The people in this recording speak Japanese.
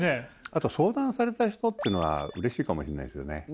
あと相談された人っていうのはうれしいかもしんないですよね。